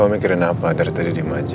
kamu mikirin apa dari tadi di maja